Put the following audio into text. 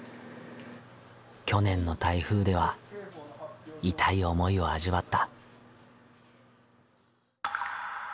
去年の台風では痛い思いを味わった。